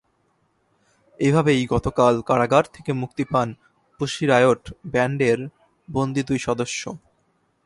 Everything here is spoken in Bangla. এভাবেই গতকাল কারাগার থেকে মুক্তি পান পুশি রায়ট ব্যান্ডের বন্দী দুই সদস্য।